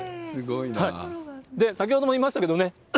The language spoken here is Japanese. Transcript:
先ほども言いましたけどね。